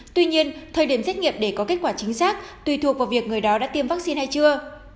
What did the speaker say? tuy nhiên thời điểm xét nghiệm để có kết quả chính xác tùy thuộc vào việc người đó đã tiêm vaccine hay chưa